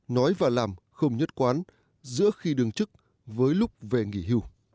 nói và làm không nhất quán giữa khi đường chức với lúc về nghỉ hưu